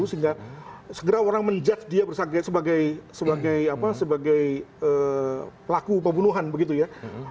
sehingga segera orang menjudge dia sebagai pelaku pembunuhan begitu ya